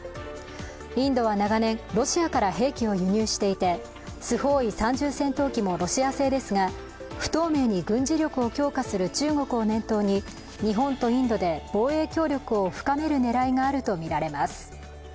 インドは長年ロシアから兵器を輸入していてスホイ３０戦闘機もロシア製ですが、不透明に軍事力を強化する中国を念頭に日本とインドで防衛協力を深める狙いがあるとみられます。